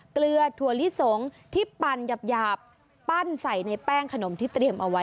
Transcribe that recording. เกลือถั่วลิสงที่ปั่นหยาบปั้นใส่ในแป้งขนมที่เตรียมเอาไว้